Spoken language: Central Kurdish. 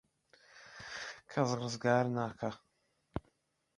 کەس ڕزگارت ناکات.